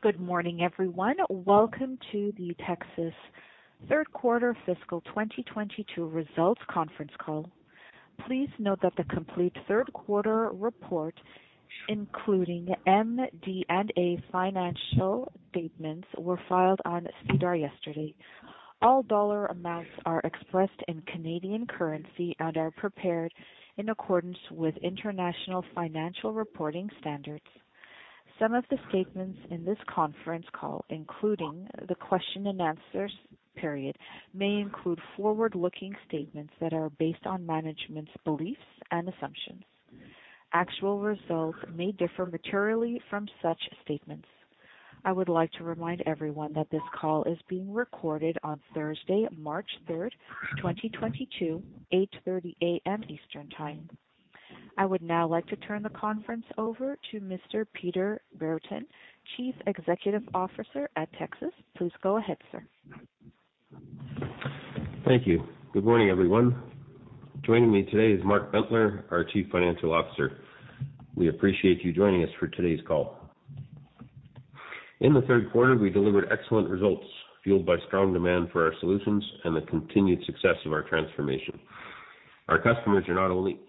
Good morning, everyone. Welcome to the Tecsys Q3 fiscal 2022 results conference call. Please note that the complete Q3 report, including MD&A financial statements, were filed on SEDAR yesterday. All dollar amounts are expressed in Canadian currency and are prepared in accordance with International Financial Reporting Standards. Some of the statements in this conference call, including the question and answers period, may include forward-looking statements that are based on management's beliefs and assumptions. Actual results may differ materially from such statements. I would like to remind everyone that this call is being recorded on Thursday, March 3, 2022, 8:30 A.M. Eastern Time. I would now like to turn the conference over to Mr. Peter Brereton, Chief Executive Officer at Tecsys. Please go ahead, sir. Thank you. Good morning, everyone. Joining me today is Mark Bentler, our Chief Financial Officer. We appreciate you joining us for today's call. In the Q3, we delivered excellent results, fueled by strong demand for our solutions and the continued success of our transformation. Our customers are not only,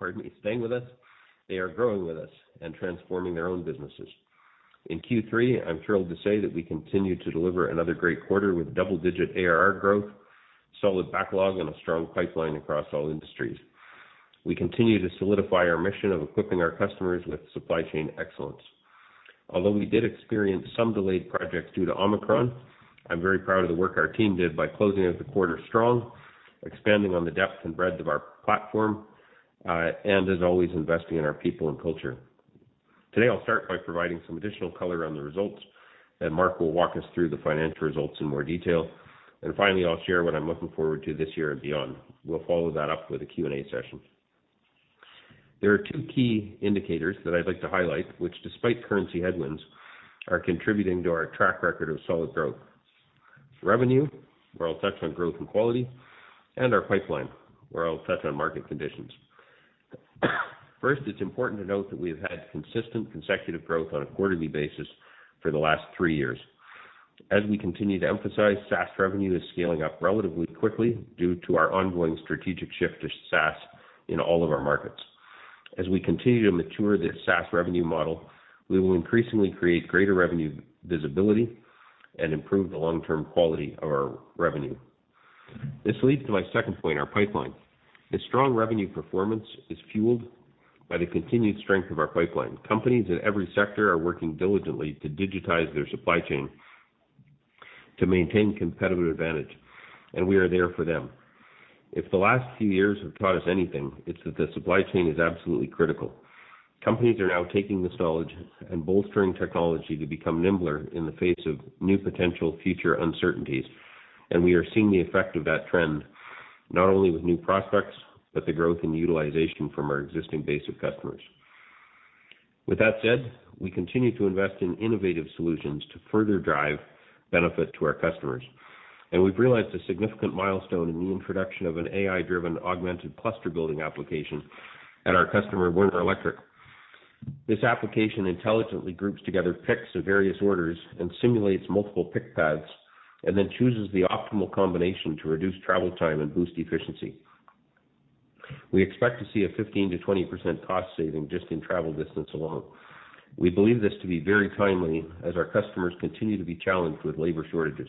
pardon me, staying with us, they are growing with us and transforming their own businesses. In Q3, I'm thrilled to say that we continued to deliver another great quarter with double-digit ARR growth, solid backlog, and a strong pipeline across all industries. We continue to solidify our mission of equipping our customers with supply chain excellence. Although we did experience some delayed projects due to Omicron, I'm very proud of the work our team did by closing out the quarter strong, expanding on the depth and breadth of our platform, and as always, investing in our people and culture. Today, I'll start by providing some additional color on the results, then Mark will walk us through the financial results in more detail. Finally, I'll share what I'm looking forward to this year and beyond. We'll follow that up with a Q&A session. There are two key indicators that I'd like to highlight, which despite currency headwinds, are contributing to our track record of solid growth. Revenue, where I'll touch on growth and quality, and our pipeline, where I'll touch on market conditions. First, it's important to note that we have had consistent consecutive growth on a quarterly basis for the last three years. As we continue to emphasize, SaaS revenue is scaling up relatively quickly due to our ongoing strategic shift to SaaS in all of our markets. As we continue to mature the SaaS revenue model, we will increasingly create greater revenue visibility and improve the long-term quality of our revenue. This leads to my second point, our pipeline. The strong revenue performance is fueled by the continued strength of our pipeline. Companies in every sector are working diligently to digitize their supply chain to maintain competitive advantage, and we are there for them. If the last few years have taught us anything, it's that the supply chain is absolutely critical. Companies are now taking this knowledge and bolstering technology to become nimbler in the face of new potential future uncertainties, and we are seeing the effect of that trend, not only with new prospects, but the growth in utilization from our existing base of customers. With that said, we continue to invest in innovative solutions to further drive benefit to our customers. We've realized a significant milestone in the introduction of an AI-driven augmented cluster building application at our customer, Werner Electric. This application intelligently groups together picks of various orders and simulates multiple pick paths, and then chooses the optimal combination to reduce travel time and boost efficiency. We expect to see a 15%-20% cost saving just in travel distance alone. We believe this to be very timely as our customers continue to be challenged with labor shortages.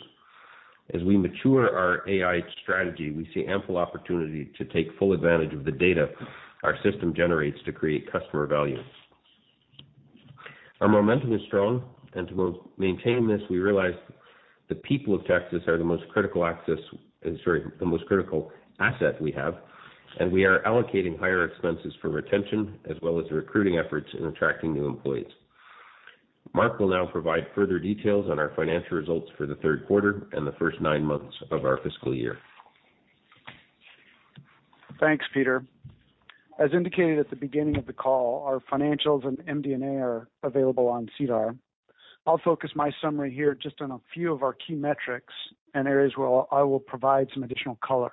As we mature our AI strategy, we see ample opportunity to take full advantage of the data our system generates to create customer value. Our momentum is strong, and to maintain this, we realize the people of Tecsys are the most critical asset we have, and we are allocating higher expenses for retention as well as recruiting efforts in attracting new employees. Mark will now provide further details on our financial results for the Q3 and the first nine months of our fiscal year. Thanks, Peter. As indicated at the beginning of the call, our financials and MD&A are available on SEDAR. I'll focus my summary here just on a few of our key metrics and areas where I will provide some additional color.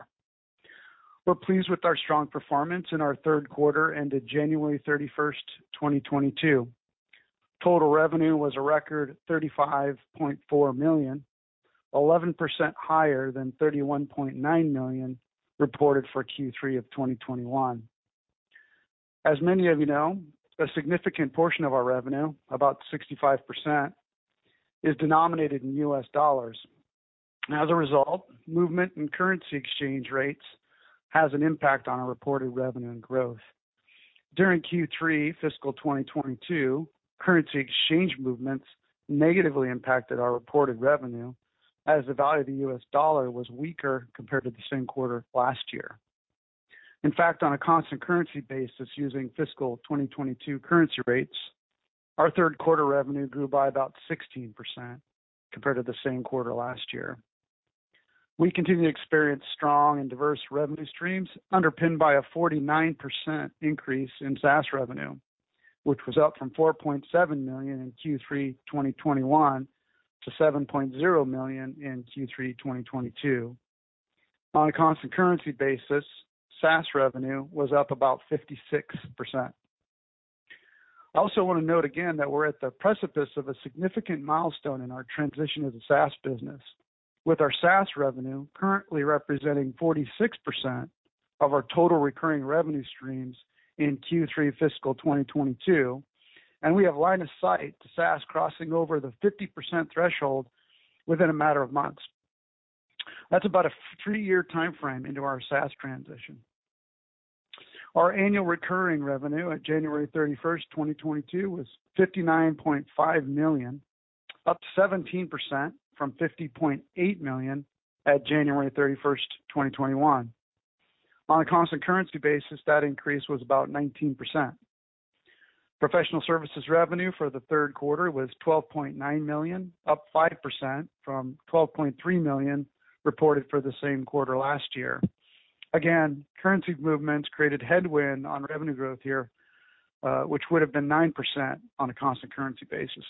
We're pleased with our strong performance in our Q3 ended January 31, 2022. Total revenue was a record 35.4 million, 11% higher than 31.9 million reported for Q3 of 2021. As many of you know, a significant portion of our revenue, about 65%, is denominated in US dollars. As a result, movement in currency exchange rates has an impact on our reported revenue and growth. During Q3 fiscal 2022, currency exchange movements negatively impacted our reported revenue as the value of the US dollar was weaker compared to the same quarter last year. In fact, on a constant currency basis using fiscal 2022 currency rates, our Q3 revenue grew by about 16% compared to the same quarter last year. We continue to experience strong and diverse revenue streams underpinned by a 49% increase in SaaS revenue, which was up from 4.7 million in Q3 2021 to 7.0 million in Q3 2022. On a constant currency basis, SaaS revenue was up about 56%. I also want to note again that we're at the precipice of a significant milestone in our transition as a SaaS business, with our SaaS revenue currently representing 46% of our total recurring revenue streams in Q3 fiscal 2022, and we have line of sight to SaaS crossing over the 50% threshold within a matter of months. That's about a three-year timeframe into our SaaS transition. Our annual recurring revenue at January 31st, 2022, was 59.5 million, up 17% from 50.8 million at January 31st, 2021. On a constant currency basis, that increase was about 19%. Professional services revenue for the Q3 was 12.9 million, up 5% from 12.3 million reported for the same quarter last year. Again, currency movements created headwind on revenue growth here, which would have been 9% on a constant currency basis.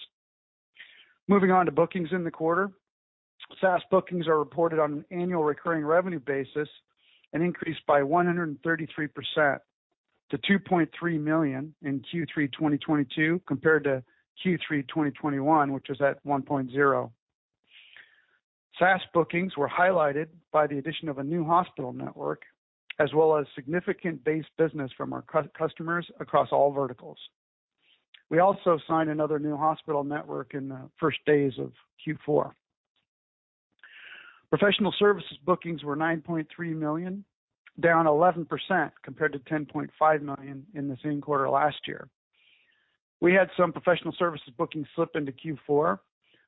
Moving on to bookings in the quarter. SaaS bookings are reported on an annual recurring revenue basis and increased by 133% to 2.3 million in Q3 2022 compared to Q3 2021, which was at 1.0. SaaS bookings were highlighted by the addition of a new hospital network, as well as significant base business from our customers across all verticals. We also signed another new hospital network in the first days of Q4. Professional services bookings were 9.3 million, down 11% compared to 10.5 million in the same quarter last year. We had some professional services bookings slip into Q4,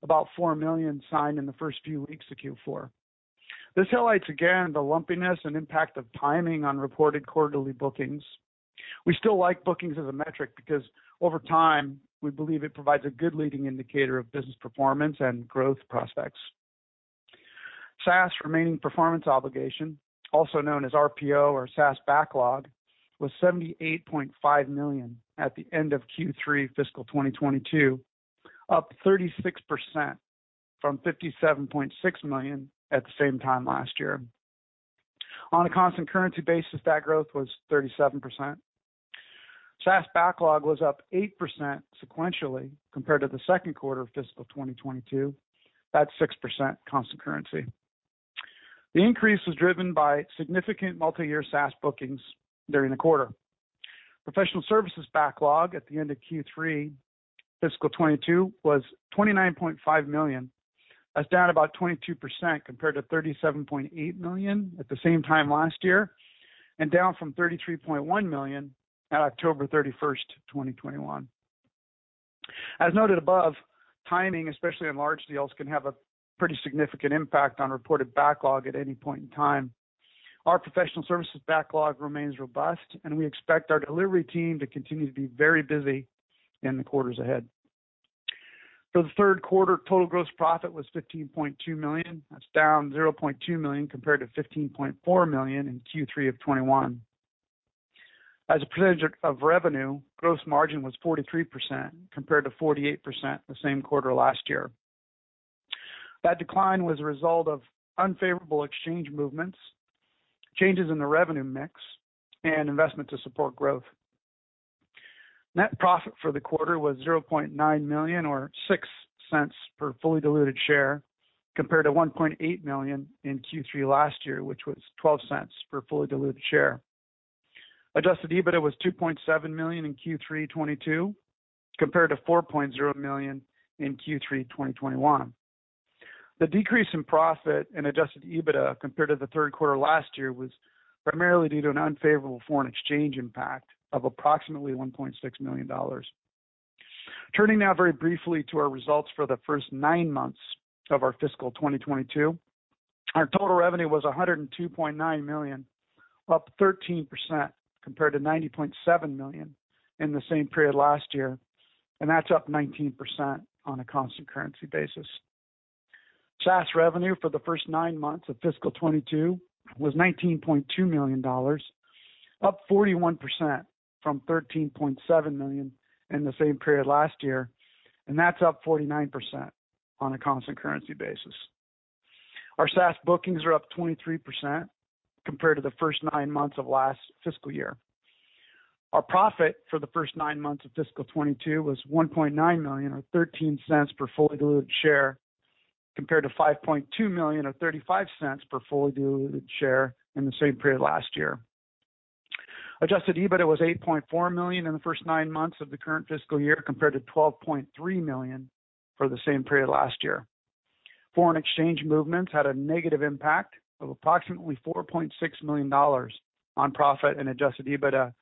about 4 million signed in the first few weeks of Q4. This highlights again the lumpiness and impact of timing on reported quarterly bookings. We still like bookings as a metric because, over time, we believe it provides a good leading indicator of business performance and growth prospects. SaaS remaining performance obligation, also known as RPO or SaaS backlog, was 78.5 million at the end of Q3 fiscal 2022, up 36% from 57.6 million at the same time last year. On a constant currency basis, that growth was 37%. SaaS backlog was up 8% sequentially compared to the Q2 of fiscal 2022. That's 6% constant currency. The increase was driven by significant multi-year SaaS bookings during the quarter. Professional services backlog at the end of Q3 fiscal 2022 was 29.5 million. That's down about 22% compared to 37.8 million at the same time last year and down from 33.1 million at October 31, 2021. As noted above, timing, especially in large deals, can have a pretty significant impact on reported backlog at any point in time. Our professional services backlog remains robust, and we expect our delivery team to continue to be very busy in the quarters ahead. For the Q3, total gross profit was 15.2 million. That's down 0.2 million compared to 15.4 million in Q3 of 2021. As a percentage of revenue, gross margin was 43% compared to 48% the same quarter last year. That decline was a result of unfavorable exchange movements, changes in the revenue mix, and investment to support growth. Net profit for the quarter was 0.9 million or 0.06 per fully diluted share, compared to 1.8 million in Q3 last year, which was 0.12 per fully diluted share. Adjusted EBITDA was 2.7 million in Q3 2022, compared to 4.0 million in Q3 2021. The decrease in profit and adjusted EBITDA compared to the Q3 last year was primarily due to an unfavorable foreign exchange impact of approximately 1.6 million dollars. Turning now very briefly to our results for the first nine months of our fiscal 2022. Our total revenue was 102.9 million, up 13% compared to 90.7 million in the same period last year, and that's up 19% on a constant currency basis. SaaS revenue for the first nine months of fiscal 2022 was 19.2 million dollars, up 41% from 13.7 million in the same period last year, and that's up 49% on a constant currency basis. Our SaaS bookings are up 23% compared to the first nine months of last fiscal year. Our profit for the first nine months of fiscal 2022 was 1.9 million or 0.13 per fully diluted share, compared to 5.2 million or 0.35 per fully diluted share in the same period last year. Adjusted EBITDA was 8.4 million in the first nine months of the current fiscal year, compared to 12.3 million for the same period last year. Foreign exchange movements had a negative impact of approximately 4.6 million dollars on profit and adjusted EBITDA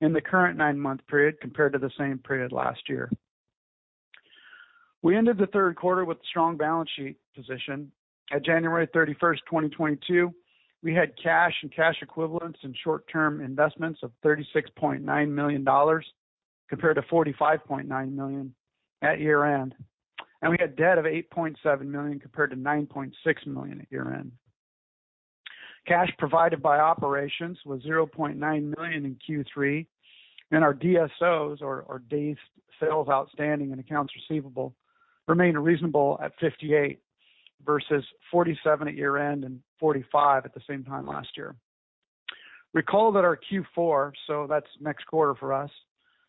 in the current nine-month period compared to the same period last year. We ended the Q3 with a strong balance sheet position. At January 31, 2022, we had cash and cash equivalents and short-term investments of 36.9 million dollars compared to 45.9 million at year-end. We had debt of 8.7 million compared to 9.6 million at year-end. Cash provided by operations was 0.9 million in Q3, and our DSOs or days sales outstanding and accounts receivable remain reasonable at 58 versus 47 at year-end and 45 at the same time last year. Recall that our Q4, so that's next quarter for us,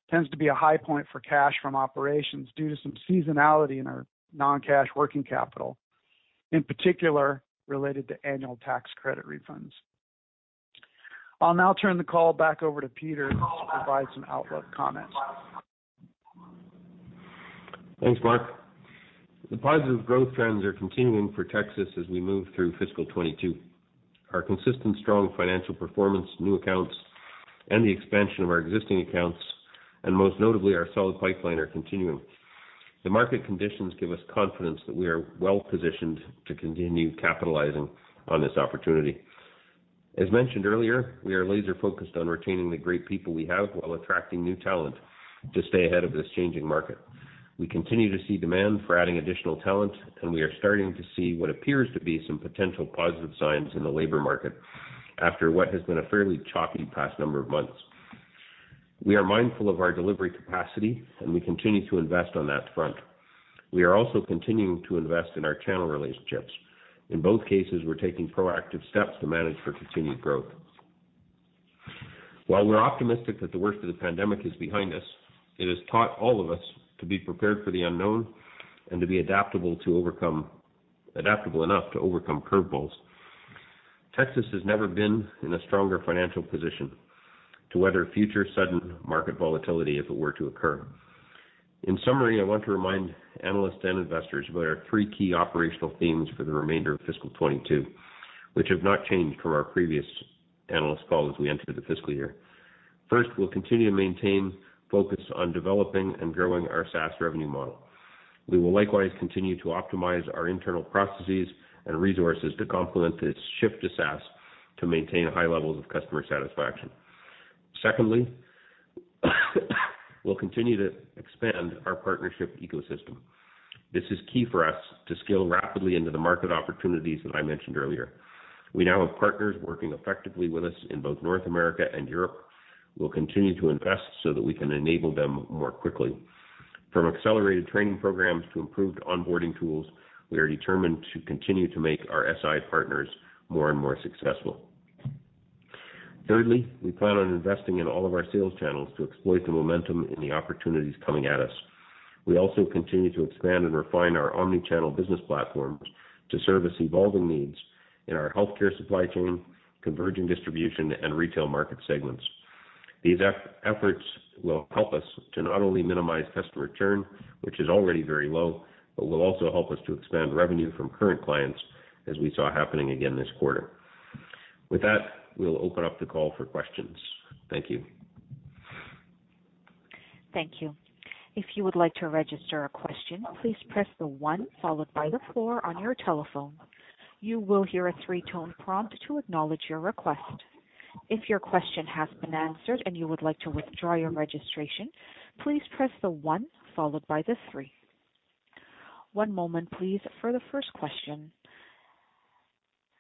tends to be a high point for cash from operations due to some seasonality in our non-cash working capital, in particular related to annual tax credit refunds. I'll now turn the call back over to Peter to provide some outlook comments. Thanks, Mark. The positive growth trends are continuing for Tecsys as we move through fiscal 2022. Our consistent strong financial performance, new accounts, and the expansion of our existing accounts, and most notably, our solid pipeline are continuing. The market conditions give us confidence that we are well-positioned to continue capitalizing on this opportunity. As mentioned earlier, we are laser-focused on retaining the great people we have while attracting new talent to stay ahead of this changing market. We continue to see demand for adding additional talent, and we are starting to see what appears to be some potential positive signs in the labor market after what has been a fairly choppy past number of months. We are mindful of our delivery capacity, and we continue to invest on that front. We are also continuing to invest in our channel relationships. In both cases, we're taking proactive steps to manage for continued growth. While we're optimistic that the worst of the pandemic is behind us, it has taught all of us to be prepared for the unknown and to be adaptable enough to overcome curveballs. Tecsys has never been in a stronger financial position to weather future sudden market volatility if it were to occur. In summary, I want to remind analysts and investors of our three key operational themes for the remainder of fiscal 2022, which have not changed from our previous analyst call as we enter the fiscal year. First, we'll continue to maintain focus on developing and growing our SaaS revenue model. We will likewise continue to optimize our internal processes and resources to complement this shift to SaaS to maintain high levels of customer satisfaction. Secondly, we'll continue to expand our partnership ecosystem. This is key for us to scale rapidly into the market opportunities that I mentioned earlier. We now have partners working effectively with us in both North America and Europe. We'll continue to invest so that we can enable them more quickly. From accelerated training programs to improved onboarding tools, we are determined to continue to make our SI partners more and more successful. Thirdly, we plan on investing in all of our sales channels to exploit the momentum and the opportunities coming at us. We also continue to expand and refine our omni-channel business platforms to service evolving needs in our healthcare supply chain, converging distribution, and retail market segments. These efforts will help us to not only minimize customer churn, which is already very low, but will also help us to expand revenue from current clients as we saw happening again this quarter. With that, we'll open up the call for questions. Thank you.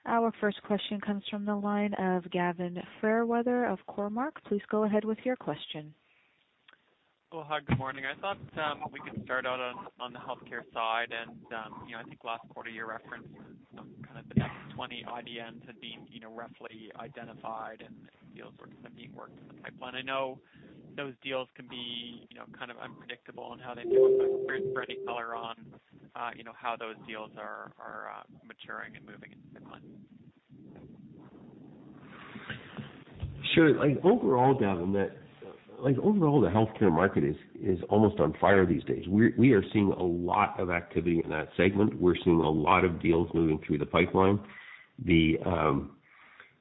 Our first question comes from the line of Gavin Fairweather of Cormark. Please go ahead with your question. Well, hi, good morning. I thought we could start out on the healthcare side. You know, I think last quarter, your reference was some kind of the next 20 IDNs had been, you know, roughly identified and deals sort of being worked in the pipeline. I know those deals can be, you know, kind of unpredictable in how they move, but for any color on, you know, how those deals are maturing and moving into the pipeline. Sure. Like, overall, Gavin, the healthcare market is almost on fire these days. We are seeing a lot of activity in that segment. We're seeing a lot of deals moving through the pipeline.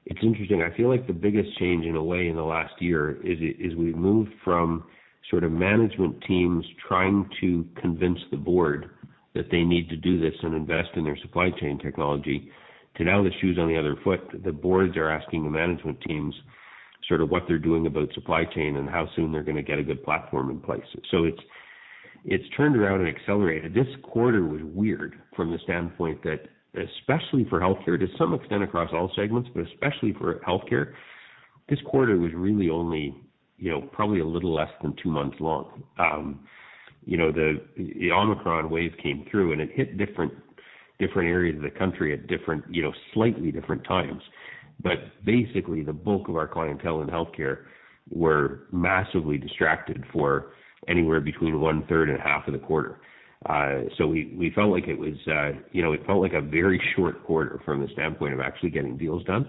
It's interesting. I feel like the biggest change in a way in the last year is we've moved from sort of management teams trying to convince the board that they need to do this and invest in their supply chain technology to now the shoe's on the other foot. The boards are asking the management teams sort of what they're doing about supply chain and how soon they're gonna get a good platform in place. It's turned around and accelerated. This quarter was weird from the standpoint that, especially for healthcare, to some extent across all segments, but especially for healthcare, this quarter was really only, you know, probably a little less than two months long. You know, the Omicron wave came through, and it hit different areas of the country at different, you know, slightly different times. Basically, the bulk of our clientele in healthcare were massively distracted for anywhere between one-third and half of the quarter. We felt like it was, you know, it felt like a very short quarter from the standpoint of actually getting deals done.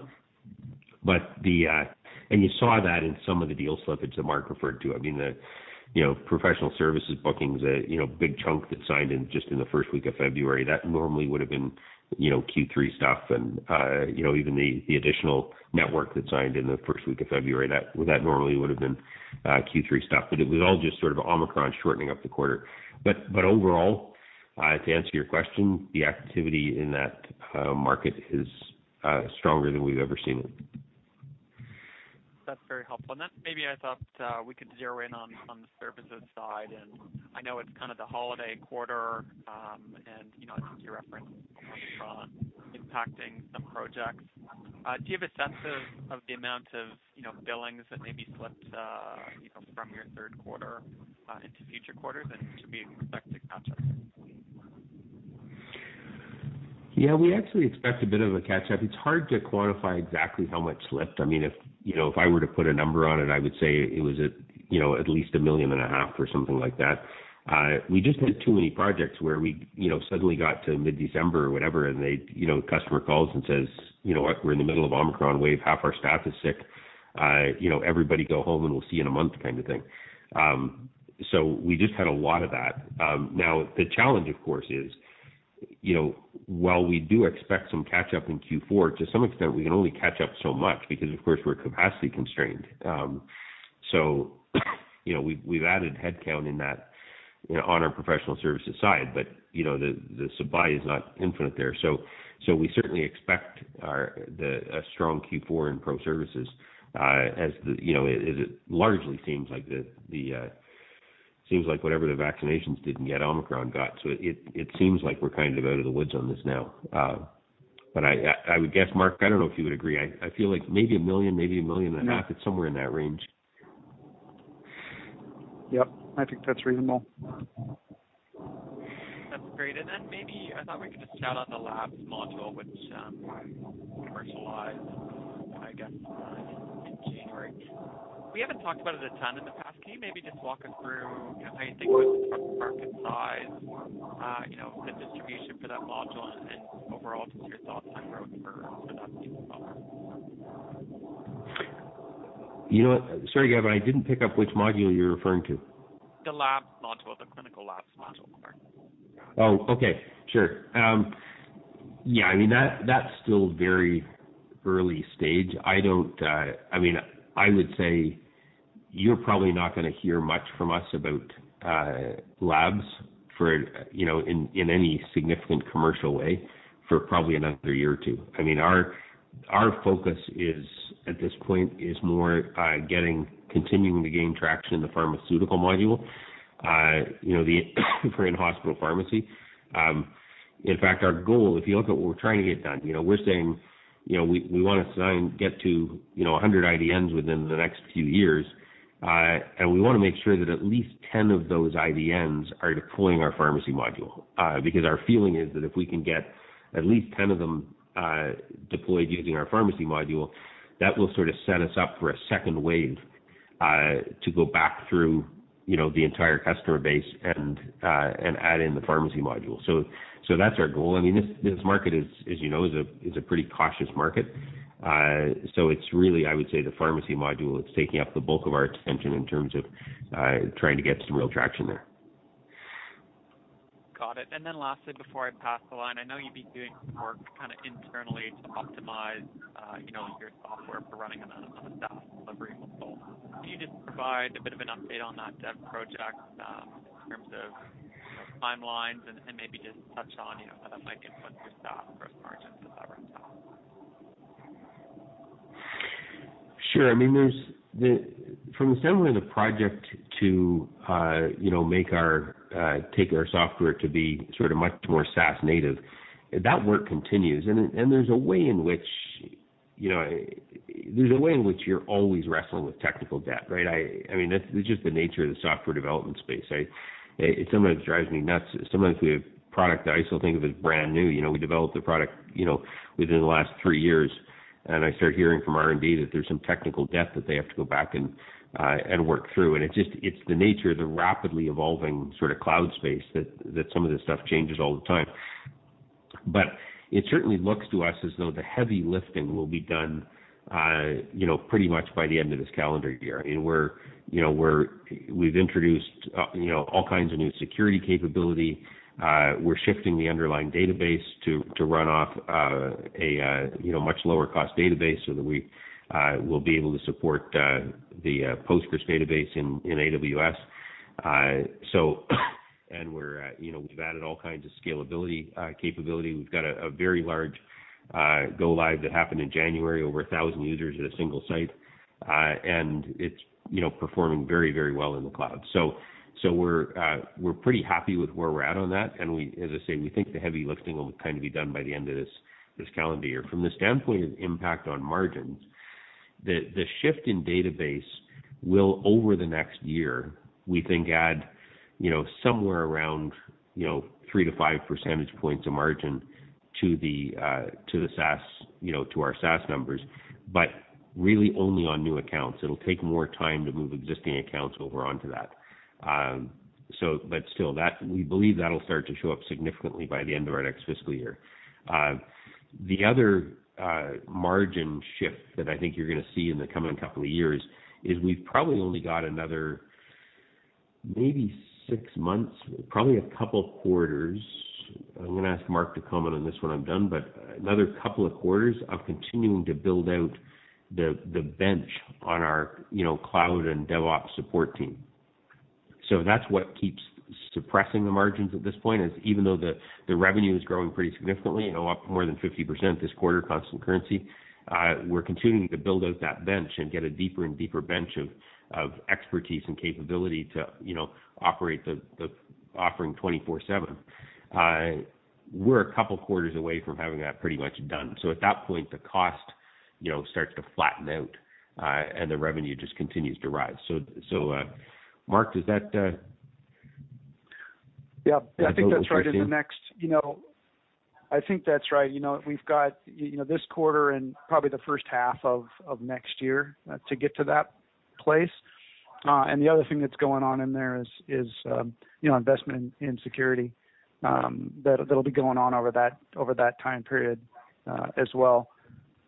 You saw that in some of the deal slippage that Mark referred to. I mean, you know, professional services bookings, you know, big chunk that signed in just in the first week of February, that normally would've been, you know, Q3 stuff. You know, even the additional network that signed in the first week of February, that normally would've been Q3 stuff. It was all just sort of Omicron shortening up the quarter. Overall, to answer your question, the activity in that market is stronger than we've ever seen it. That's very helpful. Then maybe I thought we could zero in on the services side. I know it's kind of the holiday quarter impacting some projects. Do you have a sense of the amount of, you know, billings that may be slipped, you know, from your Q3 into future quarters and to be expected not to Yeah. We actually expect a bit of a catch-up. It's hard to quantify exactly how much slipped. I mean, if, you know, if I were to put a number on it, I would say it was at, you know, at least 1.5 million or something like that. We just had too many projects where we, you know, suddenly got to mid-December or whatever, and they'd, you know, customer calls and says, "You know what? We're in the middle of Omicron wave. Half our staff is sick. You know, everybody go home, and we'll see in a month," kind of thing. So we just had a lot of that. Now the challenge of course is, you know, while we do expect some catch up in Q4, to some extent we can only catch up so much because of course we're capacity constrained. You know, we've added headcount in that, you know, on our professional services side, but you know, the supply is not infinite there. We certainly expect a strong Q4 in pro services, as it largely seems like whatever the vaccinations didn't get, Omicron got. It seems like we're kind of out of the woods on this now. I would guess, Mark, I don't know if you would agree. I feel like maybe 1 million, maybe 1.5 million. It's somewhere in that range. Yep. I think that's reasonable. That's great. Maybe I thought we could just chat on the labs module, which commercialized I guess in January. We haven't talked about it a ton in the past. Can you maybe just walk us through kind of how you think about the market size, you know, the distribution for that module and overall just your thoughts on growth for that module? You know what? Sorry, Gavin, I didn't pick up which module you're referring to. The labs module. The clinical labs module. Oh, okay. Sure. Yeah, I mean, that's still very early stage. I don't. I mean, I would say you're probably not gonna hear much from us about labs for, you know, in any significant commercial way for probably another year or two. I mean, our focus is, at this point, more getting continuing to gain traction in the pharmaceutical module, you know, the for in-hospital pharmacy. In fact, our goal, if you look at what we're trying to get done, you know, we're saying, you know, we wanna sign, get to, you know, 100 IDNs within the next few years. We wanna make sure that at least 10 of those IDNs are deploying our pharmacy module. Because our feeling is that if we can get at least 10 of them deployed using our pharmacy module, that will sort of set us up for a second wave to go back through, you know, the entire customer base and add in the pharmacy module. That's our goal. I mean, this market is, as you know, a pretty cautious market. It's really, I would say the pharmacy module is taking up the bulk of our attention in terms of trying to get some real traction there. Got it. Lastly, before I pass the line, I know you've been doing some work kind of internally to optimize, you know, your software for running on a SaaS delivery model. Can you just provide a bit of an update on that dev project, in terms of timelines and maybe just touch on, you know, how that might influence your SaaS gross margins as that ramps up? Sure. I mean, from the standpoint of the project to make our software to be sort of much more SaaS native, that work continues. There's a way in which you're always wrestling with technical debt, right? I mean, that's just the nature of the software development space, right? It sometimes drives me nuts. Sometimes we have product that I still think of as brand new. We developed a product within the last three years, and I start hearing from R&D that there's some technical debt that they have to go back and work through. It's just the nature of the rapidly evolving sort of cloud space that some of this stuff changes all the time. It certainly looks to us as though the heavy lifting will be done, you know, pretty much by the end of this calendar year. I mean, we're, you know, we've introduced, you know, all kinds of new security capability. We're shifting the underlying database to run off a you know much lower cost database so that we will be able to support the PostgreSQL database in AWS. We've added all kinds of scalability capability. We've got a very large go live that happened in January, over 1,000 users at a single site. It's, you know, performing very well in the cloud. We're pretty happy with where we're at on that. We, as I say, think the heavy lifting will kind of be done by the end of this calendar year. From the standpoint of impact on margins, the shift in database will, over the next year, we think add, you know, somewhere around, you know, three-five percentage points of margin to the SaaS, you know, to our SaaS numbers, but really only on new accounts. It'll take more time to move existing accounts over onto that. But still that we believe that'll start to show up significantly by the end of our next fiscal year. The other margin shift that I think you're gonna see in the coming couple of years is we've probably only got another maybe six months, probably a couple quarters. I'm gonna ask Mark to comment on this when I'm done. Another couple of quarters of continuing to build out the bench on our, you know, cloud and DevOps support team. That's what keeps suppressing the margins at this point, is even though the revenue is growing pretty significantly, you know, up more than 50% this quarter, constant currency, we're continuing to build out that bench and get a deeper and deeper bench of expertise and capability to, you know, operate the offering 24/7. We're a couple quarters away from having that pretty much done. At that point, the cost, you know, starts to flatten out, and the revenue just continues to rise. Mark, does that Yeah. I think that's right. Does that go with what you're seeing? In the next, you know, I think that's right. You know, we've got you know this quarter and probably the first half of next year to get to that place. The other thing that's going on in there is you know investment in security that'll be going on over that time period as well.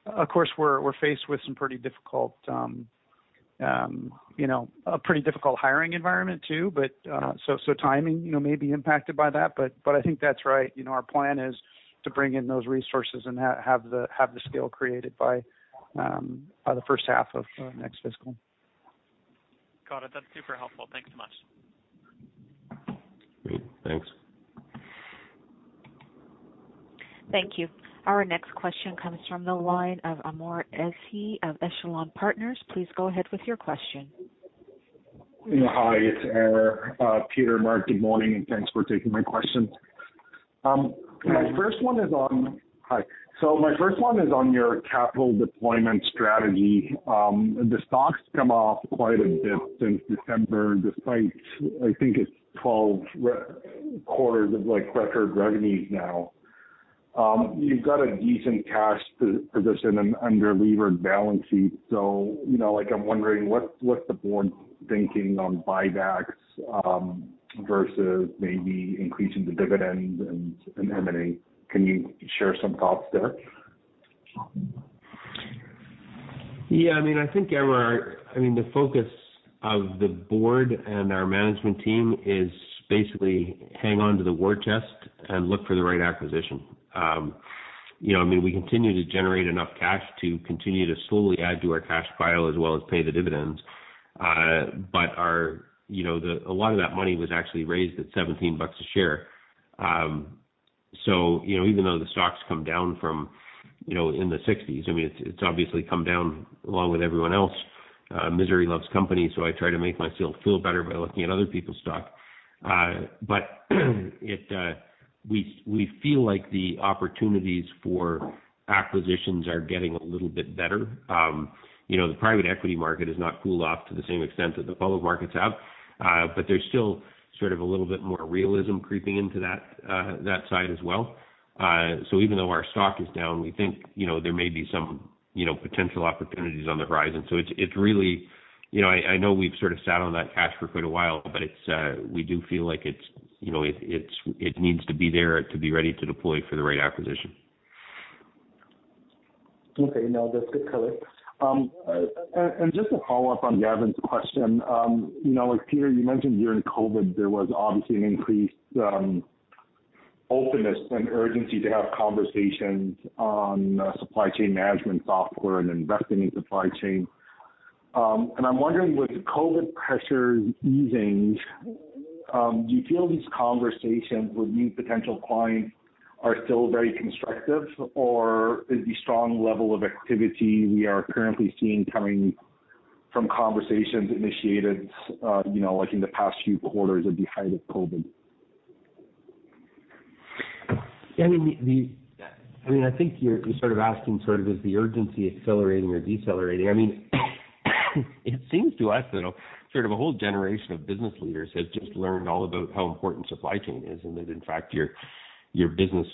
Of course, we're faced with some pretty difficult you know a pretty difficult hiring environment too, but so timing you know may be impacted by that. I think that's right. You know, our plan is to bring in those resources and have the scale created by the first half of next fiscal. Got it. That's super helpful. Thanks so much. Great. Thanks. Thank you. Our next question comes from the line of Amr Ezzat of Echelon Partners. Please go ahead with your question. Hi, it's Amr. Peter, Mark, good morning, and thanks for taking my question. My first one is on your capital deployment strategy. The stock's come off quite a bit since December, despite, I think, 12 record quarters of, like, record revenues now. You've got a decent cash position and underlevered balance sheet. You know, like, I'm wondering what's the board thinking on buybacks versus maybe increasing the dividends and M&A. Can you share some thoughts there? Yeah. I mean, I think, Amr, I mean, the focus of the board and our management team is basically hang on to the war chest and look for the right acquisition. You know, I mean, we continue to generate enough cash to continue to slowly add to our cash pile as well as pay the dividends. A lot of that money was actually raised at 17 bucks a share. You know, even though the stock's come down from, you know, in the 60s, I mean, it's obviously come down along with everyone else. Misery loves company, so I try to make myself feel better by looking at other people's stock. We feel like the opportunities for acquisitions are getting a little bit better. You know, the private equity market has not cooled off to the same extent that the public markets have. There's still sort of a little bit more realism creeping into that side as well. Even though our stock is down, we think, you know, there may be some, you know, potential opportunities on the horizon. It's really you know, I know we've sort of sat on that cash for quite a while, but we do feel like it's, you know, it needs to be there to be ready to deploy for the right acquisition. Okay. No, that's good color. Just to follow up on Gavin's question, you know, like, Peter, you mentioned during COVID, there was obviously an increased openness and urgency to have conversations on supply chain management software and investing in supply chain. I'm wondering, with COVID pressure easing, do you feel these conversations with new potential clients are still very constructive, or is the strong level of activity we are currently seeing coming from conversations initiated, you know, like in the past few quarters at the height of COVID? Yeah. I mean, I think you're sort of asking sort of is the urgency accelerating or decelerating? I mean, it seems to us that sort of a whole generation of business leaders has just learned all about how important supply chain is, and that in fact your business,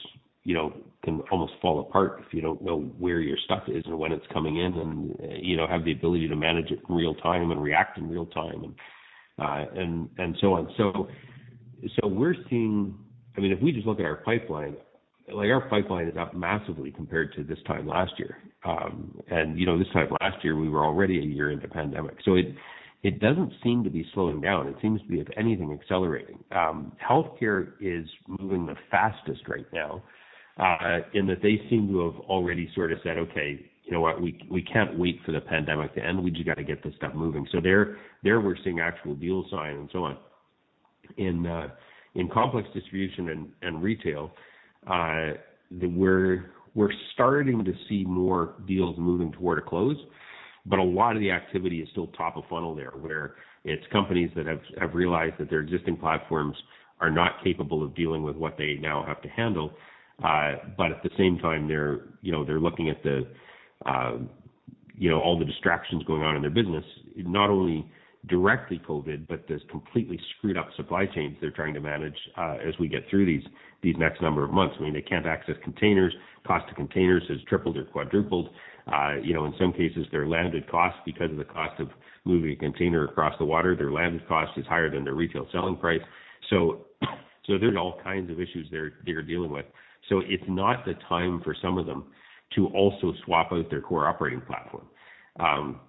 you know, can almost fall apart if you don't know where your stuff is and when it's coming in and, you know, have the ability to manage it in real time and react in real time and so on. We're seeing. I mean, if we just look at our pipeline, like our pipeline is up massively compared to this time last year. You know, this time last year we were already a year into pandemic. It doesn't seem to be slowing down. It seems to be, if anything, accelerating. Healthcare is moving the fastest right now, in that they seem to have already sort of said, "Okay, you know what? We can't wait for the pandemic to end. We just gotta get this stuff moving." There we're seeing actual deals signed and so on. In complex distribution and retail, we're starting to see more deals moving toward a close, but a lot of the activity is still top of funnel there, where it's companies that have realized that their existing platforms are not capable of dealing with what they now have to handle. At the same time, they're, you know, they're looking at the, you know, all the distractions going on in their business, not only directly COVID, but this completely screwed-up supply chains they're trying to manage, as we get through these next number of months. I mean, they can't access containers. Cost of containers has tripled or quadrupled. You know, in some cases, their landed cost, because of the cost of moving a container across the water, their landed cost is higher than their retail selling price. So there's all kinds of issues they're dealing with. It's not the time for some of them to also swap out their core operating platform.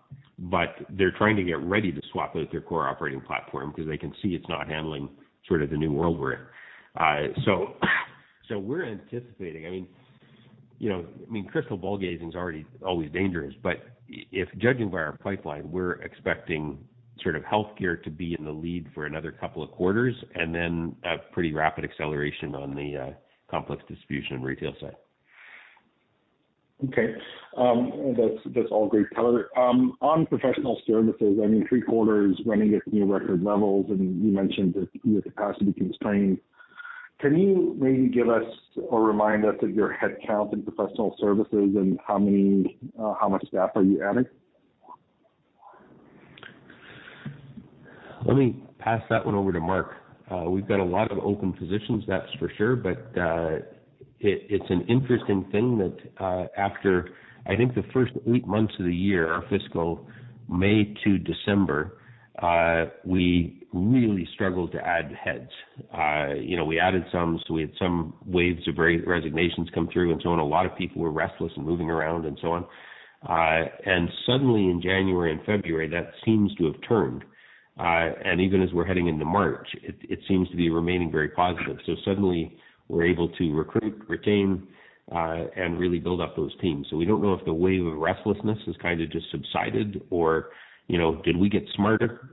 They're trying to get ready to swap out their core operating platform 'cause they can see it's not handling sort of the new world we're in. We're anticipating, I mean, you know, I mean, crystal ball gazing is already always dangerous, but if judging by our pipeline, we're expecting sort of healthcare to be in the lead for another couple of quarters and then a pretty rapid acceleration on the complex distribution and retail side. Okay. That's all great color. On professional services, I mean, three quarters running at new record levels, and you mentioned that your capacity constrained. Can you maybe give us or remind us of your headcount in professional services and how many, how much staff are you adding? Let me pass that one over to Mark. We've got a lot of open positions, that's for sure. It's an interesting thing that, after I think the first eight months of the year, our fiscal May to December, we really struggled to add heads. You know, we added some, so we had some waves of resignations come through and so on. A lot of people were restless and moving around and so on. Suddenly in January and February, that seems to have turned. Even as we're heading into March, it seems to be remaining very positive. Suddenly we're able to recruit, retain, and really build up those teams. We don't know if the wave of restlessness has kind of just subsided or, you know, did we get smarter?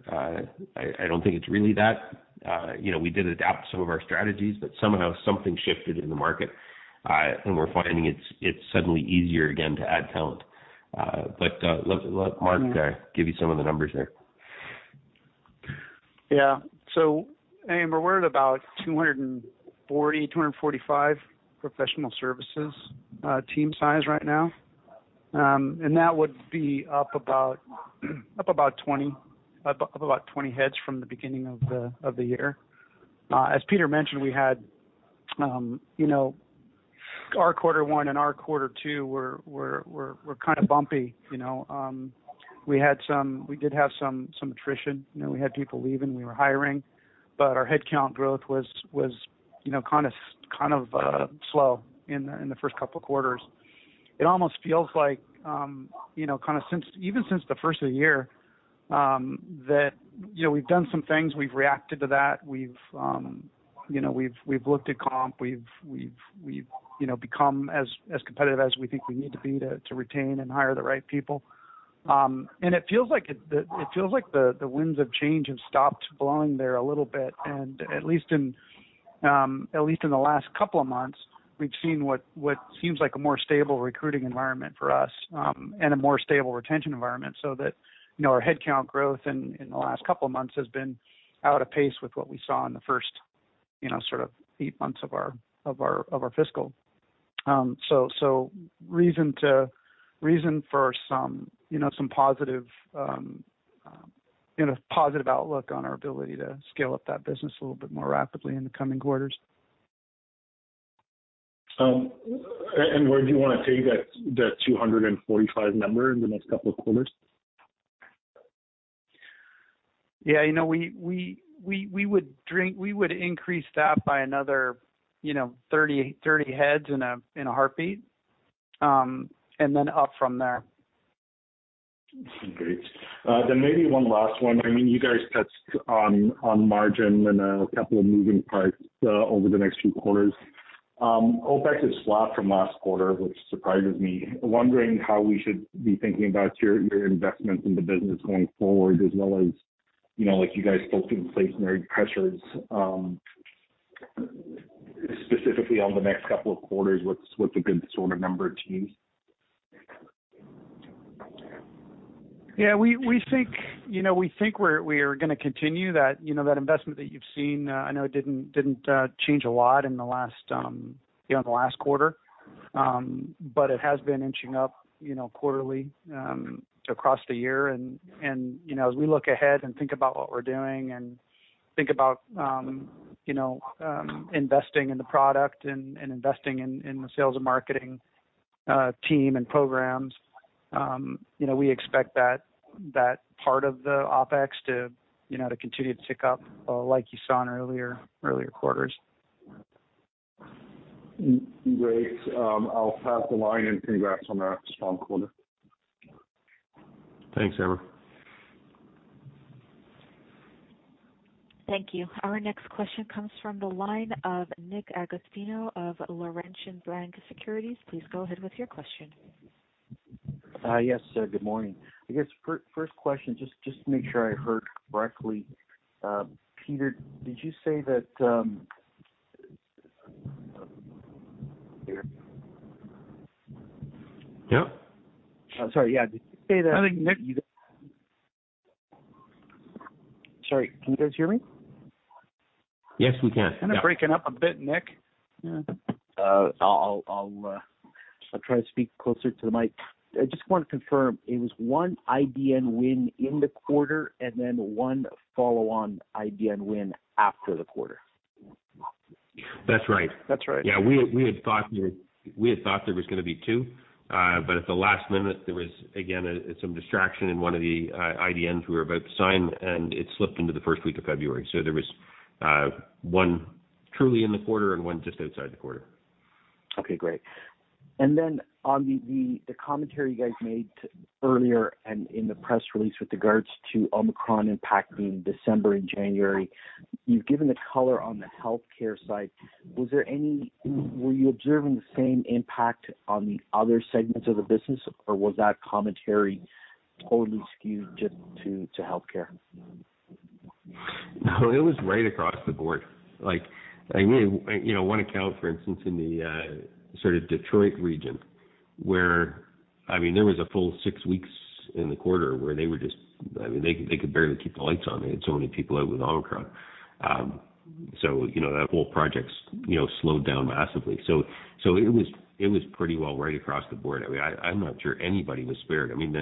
I don't think it's really that. You know, we did adapt some of our strategies, but somehow something shifted in the market. We're finding it's suddenly easier again to add talent. Let's let Mark give you some of the numbers there. Yeah. Amr, we're at about 240-245 professional services team size right now. That would be up about 20 heads from the beginning of the year. As Peter mentioned, we had you know our quarter one and our quarter two were kind of bumpy you know. We did have some attrition. You know we had people leaving we were hiring. Our headcount growth was you know kind of slow in the first couple of quarters. It almost feels like you know kind of even since the first of the year that you know we've done some things we've reacted to that. We've you know we've looked at comp. We've you know, become as competitive as we think we need to be to retain and hire the right people. It feels like it. It feels like the winds of change have stopped blowing there a little bit. At least in the last couple of months, we've seen what seems like a more stable recruiting environment for us, and a more stable retention environment, so that, you know, our headcount growth in the last couple of months has been out of pace with what we saw in the first, you know, sort of eight months of our fiscal. Reason for some, you know, positive outlook on our ability to scale up that business a little bit more rapidly in the coming quarters. Where do you wanna take that 245 number in the next couple of quarters? Yeah. You know, we would increase that by another, you know, 30 heads in a heartbeat, and then up from there. Okay. Maybe one last one. I mean, you guys touched on margin and a couple of moving parts over the next few quarters. OpEx has spiked from last quarter, which surprises me. Wondering how we should be thinking about your investments in the business going forward as well as, you know, like you guys spoke to inflationary pressures, specifically on the next couple of quarters, what's a good sort of number to use? Yeah. We think, you know, we're gonna continue that. You know, that investment that you've seen, I know it didn't change a lot in the last, you know, in the last quarter. It has been inching up, you know, quarterly, across the year. You know, as we look ahead and think about what we're doing and think about, you know, investing in the product and investing in the sales and marketing team and programs, you know, we expect that part of the OpEx to continue to tick up, like you saw in earlier quarters. Great. I'll pass the line. Congrats on that strong quarter. Thanks, Amr. Thank you. Our next question comes from the line of Nick Agostino of Laurentian Bank Securities. Please go ahead with your question. Yes. Good morning. I guess first question, just to make sure I heard correctly. Peter, did you say that? Yeah. Sorry. Yeah. Did you say that? I think, Nick. Sorry. Can you guys hear me? Yes, we can. Kind of breaking up a bit, Nick. Yeah. I'll try to speak closer to the mic. I just want to confirm it was one IDN win in the quarter, and then one follow-on IDN win after the quarter. That's right. That's right. Yeah. We had thought there was gonna be two. At the last minute, there was again some distraction in one of the IDNs we were about to sign, and it slipped into the first week of February. There was one truly in the quarter and one just outside the quarter. Okay, great. Then on the commentary you guys made earlier and in the press release with regards to Omicron impact being December and January, you've given the color on the healthcare side. Were you observing the same impact on the other segments of the business, or was that commentary totally skewed just to healthcare? No, it was right across the board. Like, I mean, you know, one account, for instance, in the sort of Detroit region where, I mean, there was a full six weeks in the quarter where they were just. I mean, they could barely keep the lights on. They had so many people out with Omicron. So you know, that whole project's, you know, slowed down massively. It was pretty well right across the board. I mean, I'm not sure anybody was spared. I mean,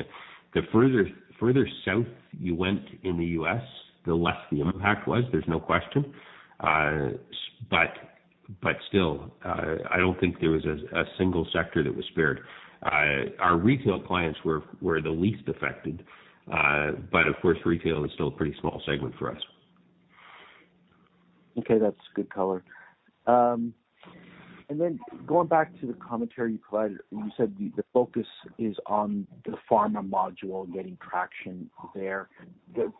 the further south you went in the U.S., the less the impact was, there's no question. But still, I don't think there was a single sector that was spared. Our retail clients were the least affected. But of course, retail is still a pretty small segment for us. Okay, that's good color. Going back to the commentary you provided, you said the focus is on the pharma module getting traction there.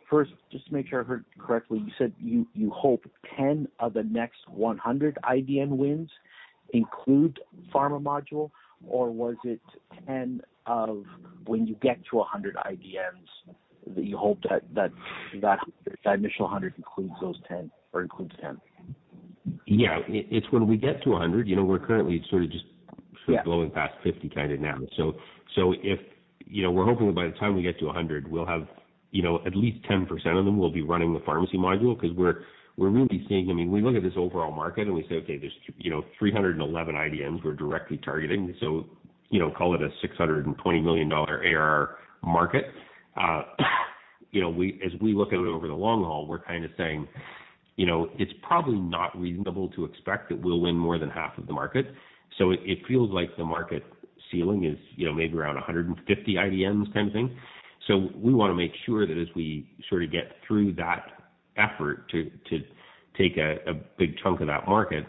First, just to make sure I heard correctly, you said you hope 10 of the next 100 IDN wins include pharma module, or was it 10 of when you get to a 100 IDNs that you hope that initial 100 includes those 10 or includes 10? Yeah. It's when we get to 100. You know, we're currently sort of just- Yeah. Blowing past 50 kind of now. You know, we're hoping by the time we get to 100, we'll have, you know, at least 10% of them will be running the pharmacy module, 'cause we're really seeing. I mean, we look at this overall market and we say, okay, there's you know, 311 IDNs we're directly targeting. You know, call it a $620 million ARR market. You know, as we look at it over the long haul, we're kinda saying, you know, it's probably not reasonable to expect that we'll win more than half of the market. It feels like the market ceiling is, you know, maybe around 150 IDNs kind of thing. We wanna make sure that as we sort of get through that effort to take a big chunk of that market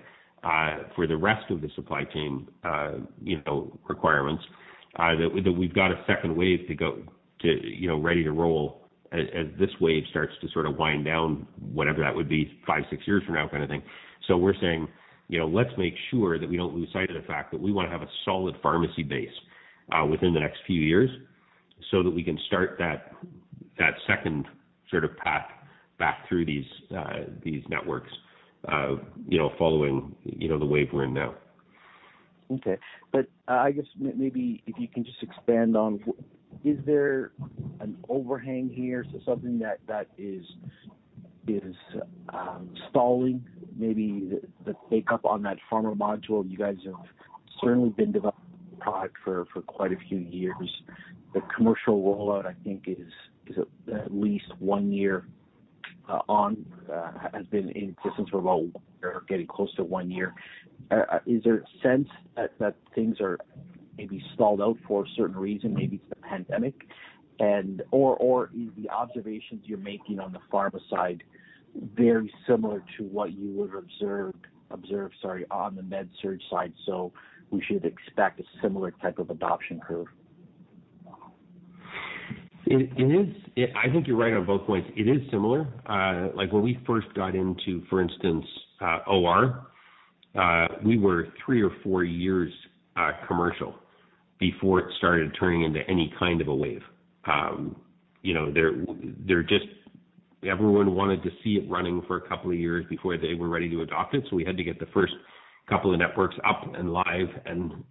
for the rest of the supply chain, you know, requirements that we've got a second wave to go to, you know, ready to roll as this wave starts to sort of wind down, whenever that would be, 5, 6 years from now kind of thing. We're saying, you know, let's make sure that we don't lose sight of the fact that we wanna have a solid pharmacy base within the next few years so that we can start that second sort of path back through these networks, you know, following the wave we're in now. I guess maybe if you can just expand on what is there an overhang here, so something that is stalling maybe the take-up on that pharma module? You guys have certainly been developing the product for quite a few years. The commercial rollout, I think, is at least one year since we're about getting close to one year. Is there a sense that things are maybe stalled out for a certain reason, maybe it's the pandemic, or is the observations you're making on the pharma side very similar to what you would've observed on the med surg side, so we should expect a similar type of adoption curve? It is. I think you're right on both points. It is similar. Like when we first got into, for instance, OR, we were three or four years commercial before it started turning into any kind of a wave. You know, there just... Everyone wanted to see it running for a couple of years before they were ready to adopt it, so we had to get the first couple of networks up and live and,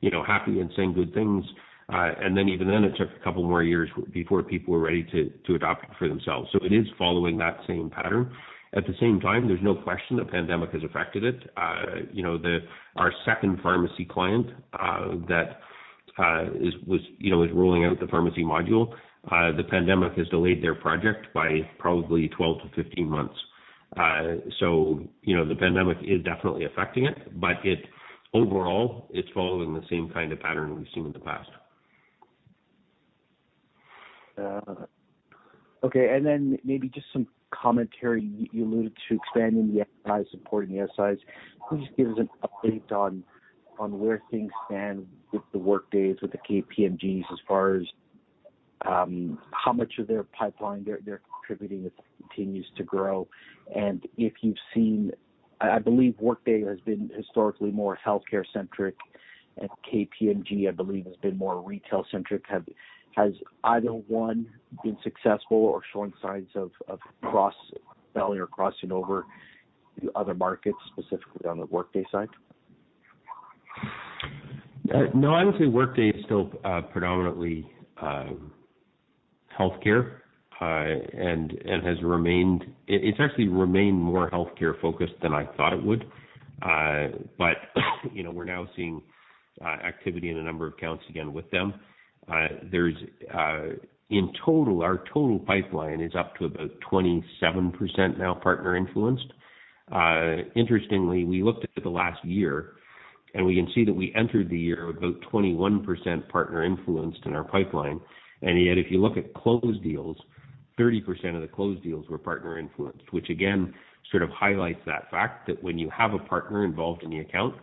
you know, happy and saying good things. And then even then it took a couple more years before people were ready to adopt it for themselves. It is following that same pattern. At the same time, there's no question the pandemic has affected it. You know, our second pharmacy client that is rolling out the pharmacy module, the pandemic has delayed their project by probably 12-15 months. You know, the pandemic is definitely affecting it. Overall, it's following the same kind of pattern we've seen in the past. Okay. Then maybe just some commentary. You alluded to expanding the SIs, supporting the SIs. Can you just give us an update on where things stand with the Workdays, with the KPMGs as far as how much of their pipeline they're contributing, it continues to grow. If you've seen, I believe Workday has been historically more healthcare-centric, and KPMG, I believe, has been more retail-centric. Has either one been successful or showing signs of cross-selling or crossing over to other markets, specifically on the Workday side? No. I would say Workday is still predominantly healthcare, and has remained. It's actually remained more healthcare focused than I thought it would. You know, we're now seeing activity in a number of accounts again with them. In total, our total pipeline is up to about 27% now partner-influenced. Interestingly, we looked at the last year, and we can see that we entered the year about 21% partner-influenced in our pipeline. Yet if you look at closed deals, 30% of the closed deals were partner-influenced, which again sort of highlights that fact that when you have a partner involved in the account,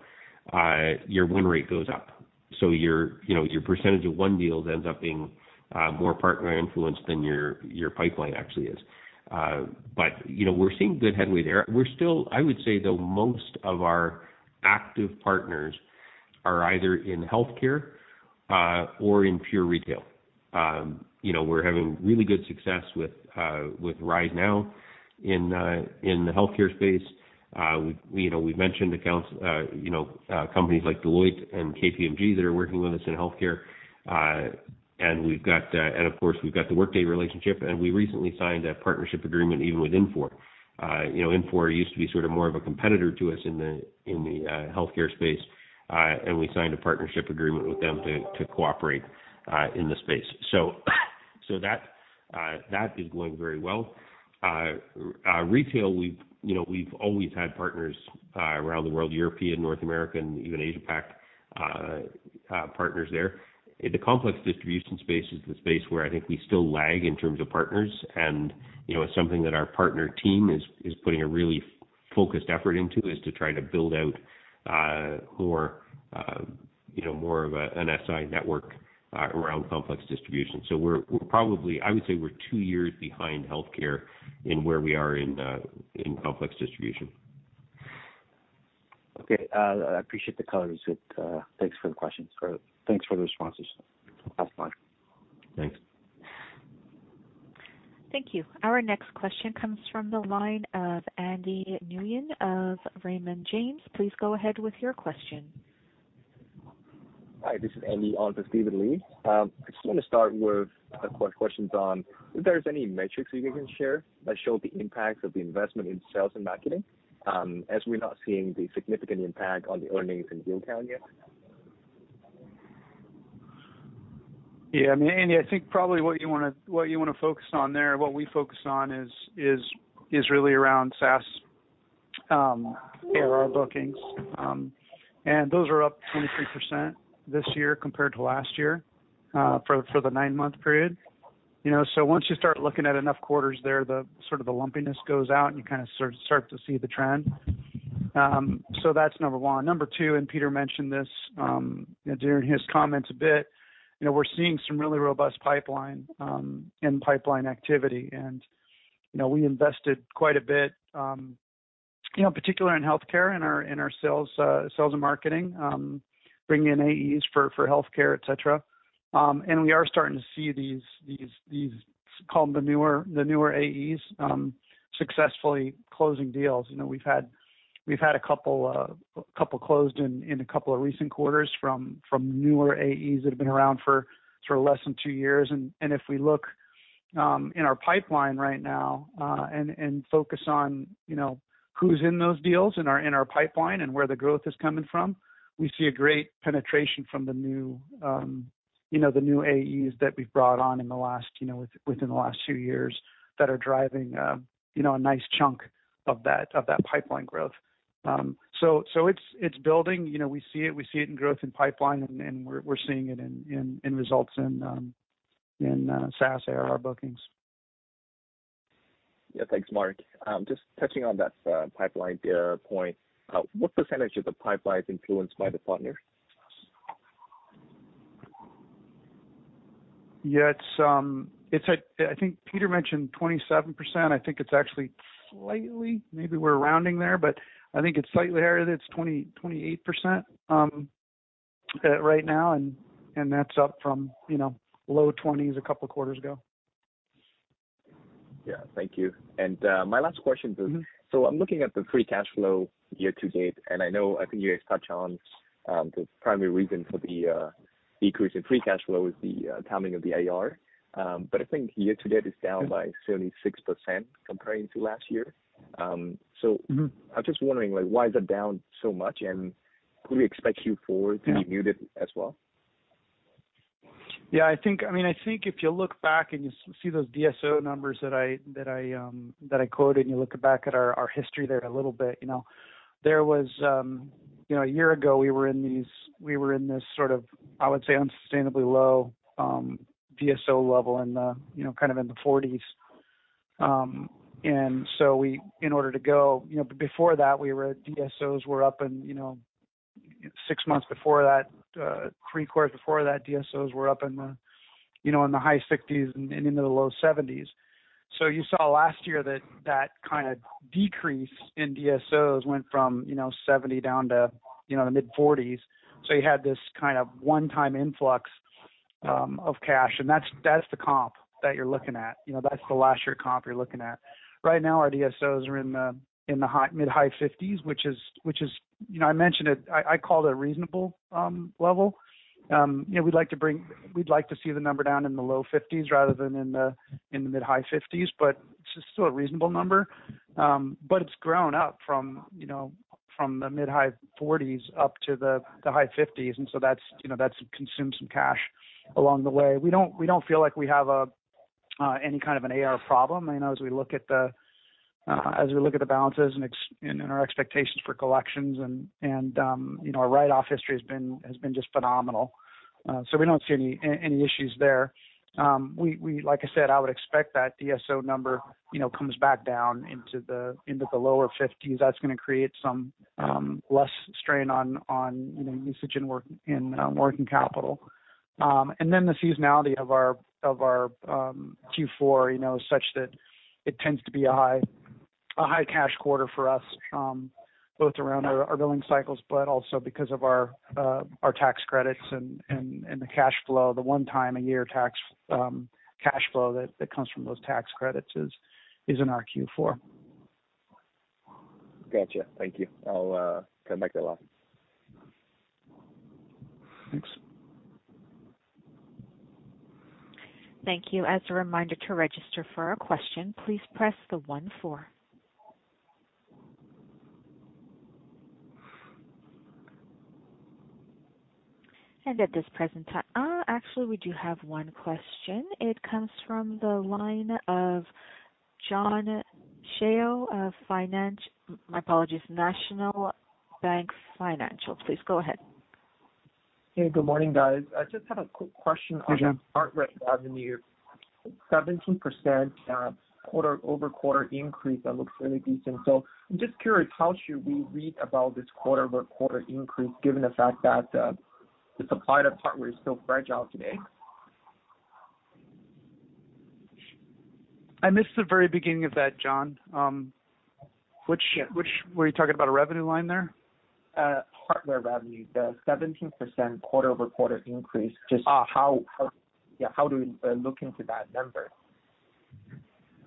your win rate goes up. You know, your percentage of won deals ends up being more partner-influenced than your pipeline actually is. you know, we're seeing good headway there. We're still, I would say, though, most of our active partners are either in healthcare or in pure retail. you know, we're having really good success with RiseNow in the healthcare space. you know, we've mentioned accounts, companies like Deloitte and KPMG that are working with us in healthcare. of course, we've got the Workday relationship, and we recently signed a partnership agreement even with Infor. you know, Infor used to be sort of more of a competitor to us in the healthcare space. we signed a partnership agreement with them to cooperate in the space. that is going very well. Retail, we've, you know, always had partners around the world, European, North American, even Asia Pac, partners there. The complex distribution space is the space where I think we still lag in terms of partners. You know, it's something that our partner team is putting a really focused effort into, is to try to build out more, you know, more of a SI network around complex distribution. We're probably. I would say we're two years behind healthcare in where we are in complex distribution. Okay. I appreciate the colors with. Thanks for the questions, or thanks for the responses. Last line. Thanks. Thank you. Our next question comes from the line of Andy Nguyen of Raymond James. Please go ahead with your question. Hi, this is Andy on for Steven Li. I just wanna start with a couple questions on if there's any metrics you can share that show the impacts of the investment in sales and marketing, as we're not seeing the significant impact on the earnings and deal count yet. Yeah. I mean, Andy, I think probably what you wanna focus on there, what we focus on is really around SaaS ARR bookings. Those are up 23% this year compared to last year for the nine-month period. You know, so once you start looking at enough quarters there, the sort of the lumpiness goes out, and you kind of sort of start to see the trend. That's number one. Number two. Peter mentioned this, you know, during his comments a bit, you know, we're seeing some really robust pipeline and pipeline activity. You know, we invested quite a bit, you know, particularly in healthcare in our sales and marketing, bringing in AEs for healthcare, et cetera. We are starting to see these, call them the newer AEs, successfully closing deals. You know, we've had a couple closed in a couple of recent quarters from newer AEs that have been around for sort of less than two years. If we look in our pipeline right now, and focus on, you know, who's in those deals in our pipeline and where the growth is coming from, we see a great penetration from the new AEs that we've brought on within the last two years that are driving a nice chunk of that pipeline growth. It's building. You know, we see it. We see it in growth in pipeline, and we're seeing it in results in SaaS ARR bookings. Yeah. Thanks, Mark. Just touching on that pipeline data point, what percentage of the pipeline is influenced by the partners? Yeah. It's like I think Peter mentioned 27%. I think it's actually slightly higher, maybe we're rounding there, but I think it's slightly higher than 27%. It's 28% right now, and that's up from, you know, low 20s a couple quarters ago. Yeah. Thank you. My last question is- I'm looking at the free cash flow year to date, and I know I think you guys touch on the primary reason for the decrease in free cash flow is the timing of the ARR. I think year to date is down by 76% comparing to last year. I'm just wondering, like, why is it down so much, and would we expect Q4 to be muted as well? Yeah. I mean, I think if you look back and you see those DSO numbers that I quoted, and you look back at our history there a little bit, you know, a year ago we were in this sort of, I would say, unsustainably low DSO level in the, you know, kind of 40s. Before that, six months before that, three quarters before that, DSOs were up in the high 60s and into the low 70s. You saw last year that kind of decrease in DSOs went from, you know, 70 down to, you know, the mid-40s. You had this kind of one-time influx of cash, and that's the comp that you're looking at. You know, that's the last year comp you're looking at. Right now our DSOs are in the high, mid-high 50s, which is, you know, I mentioned it, I call it a reasonable level. You know, we'd like to see the number down in the low 50s rather than in the mid-high 50s, but it's still a reasonable number. But it's grown up from, you know, from the mid-high 40s up to the high 50s, and so that's, you know, that's consumed some cash along the way. We don't feel like we have any kind of an AR problem, you know, as we look at the balances and our expectations for collections and, you know, our write-off history has been just phenomenal. We don't see any issues there. Like I said, I would expect that DSO number, you know, comes back down into the lower fifties. That's gonna create some less strain on, you know, usage in working capital. The seasonality of our Q4, you know, is such that it tends to be a high cash quarter for us, both around our billing cycles, but also because of our tax credits and the cash flow. The one time a year tax cash flow that comes from those tax credits is in our Q4. Gotcha. Thank you. I'll come back to that line. Thanks. Thank you. As a reminder, to register for a question, please press the one four. Actually, we do have one question. It comes from the line of John Shao. My apologies, National Bank Financial. Please go ahead. Hey, good morning, guys. I just had a quick question on. Good morning. Hardware revenue. 17% quarter-over-quarter increase, that looks really decent. Just curious, how should we read about this quarter-over-quarter increase given the fact that the supply of hardware is still fragile today? I missed the very beginning of that, John. Which were you talking about a revenue line there? Hardware revenue, the 17% quarter-over-quarter increase. Ah. Yeah, how do we look into that number?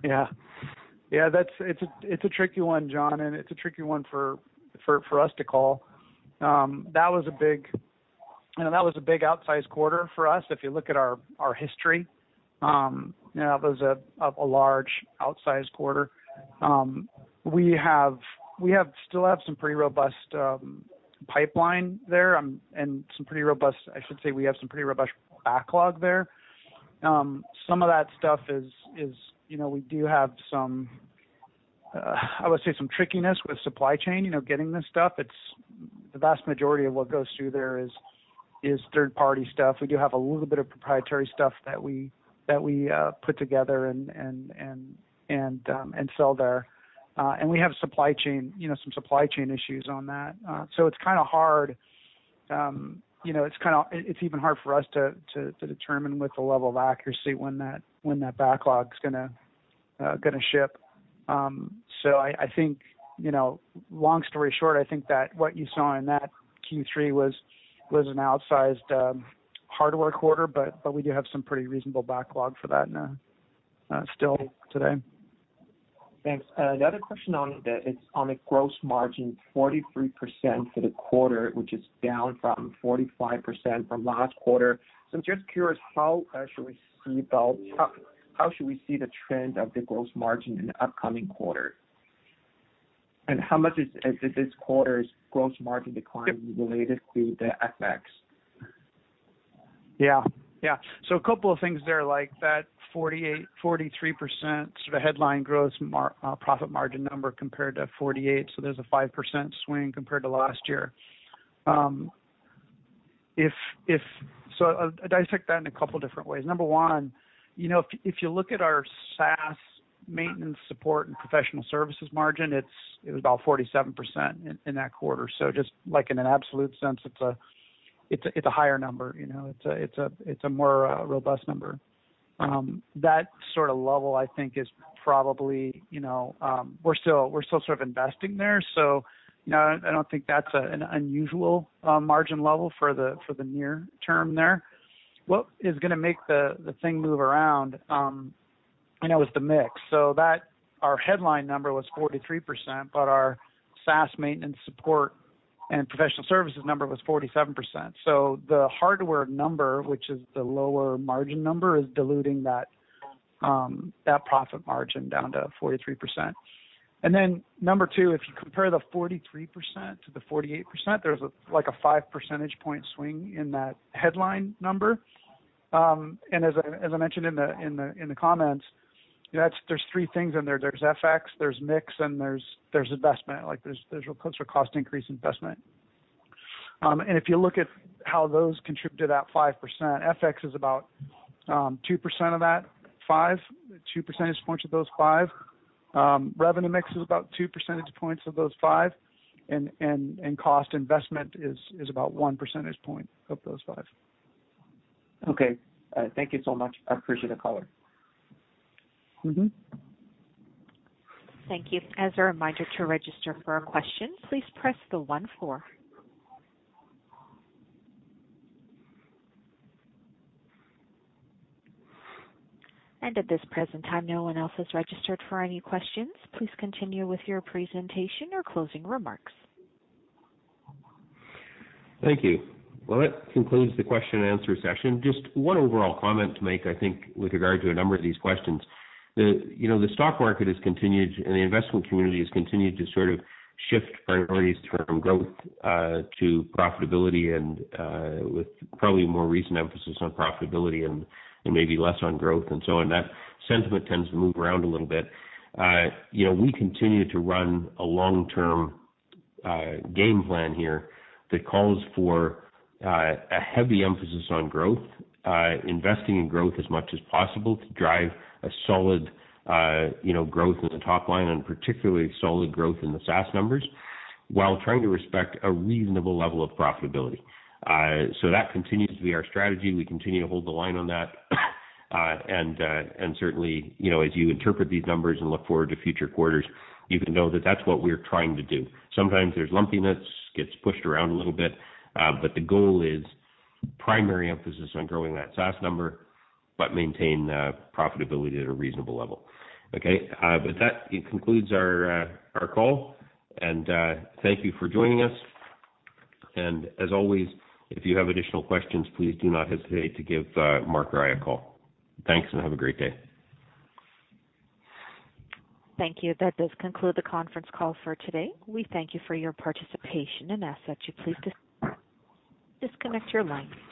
Yeah. Yeah. It's a tricky one, John, and it's a tricky one for us to call. You know, that was a big outsized quarter for us. If you look at our history, you know, that was a large outsized quarter. We still have some pretty robust pipeline there. I should say we have some pretty robust backlog there. Some of that stuff is, you know, we do have some trickiness with supply chain, you know, getting this stuff. It's the vast majority of what goes through there is third-party stuff. We do have a little bit of proprietary stuff that we put together and sell there. We have supply chain, you know, some supply chain issues on that. It's kinda hard, you know, it's even hard for us to determine with the level of accuracy when that backlog's gonna ship. I think, you know, long story short, I think that what you saw in that Q3 was an outsized hardware quarter, but we do have some pretty reasonable backlog for that now, still today. Thanks. The other question is on the gross margin, 43% for the quarter, which is down from 45% from last quarter. I'm just curious, how should we see the trend of the gross margin in the upcoming quarter? How much is this quarter's gross margin decline related to the FX? A couple of things there, like that 48, 43% sort of headline gross profit margin number compared to 48, so there's a 5% swing compared to last year. I'll dissect that in a couple different ways. Number one, you know, if you look at our SaaS maintenance support and professional services margin, it was about 47% in that quarter. Just like in an absolute sense, it's a higher number, you know. It's a more robust number. That sort of level I think is probably, you know. We're still sort of investing there, so, you know, I don't think that's an unusual margin level for the near term there. What is gonna make the thing move around, you know, is the mix. Our headline number was 43%, but our SaaS maintenance support and professional services number was 47%. So the hardware number, which is the lower margin number, is diluting that profit margin down to 43%. Number two, if you compare the 43% to the 48%, there's like a five percentage point swing in that headline number. And as I mentioned in the comments, that's. There's three things in there. There's FX, there's mix, and there's investment. Like, there's real close to a cost increase investment. And if you look at how those contribute to that five percent, FX is about two percent of that five, two percentage points of those five. Revenue mix is about two percentage points of those five. Cost investment is about one percentage point of those five. Okay. Thank you so much. I appreciate the color. Thank you. As a reminder, to register for a question, please press star one. At this present time, no one else is registered for any questions. Please continue with your presentation or closing remarks. Thank you. Well, that concludes the question and answer session. Just one overall comment to make, I think, with regard to a number of these questions. The, you know, the stock market has continued and the investment community has continued to sort of shift priorities from growth to profitability and with probably a more recent emphasis on profitability and maybe less on growth and so on. That sentiment tends to move around a little bit. You know, we continue to run a long-term game plan here that calls for a heavy emphasis on growth, investing in growth as much as possible to drive a solid, you know, growth in the top line and particularly solid growth in the SaaS numbers while trying to respect a reasonable level of profitability. That continues to be our strategy. We continue to hold the line on that. Certainly, you know, as you interpret these numbers and look forward to future quarters, you can know that that's what we're trying to do. Sometimes there's lumpiness, gets pushed around a little bit, but the goal is primary emphasis on growing that SaaS number, but maintain profitability at a reasonable level. Okay. With that, it concludes our call. Thank you for joining us. As always, if you have additional questions, please do not hesitate to give Mark or I a call. Thanks, and have a great day. Thank you. That does conclude the conference call for today. We thank you for your participation and ask that you please disconnect your line.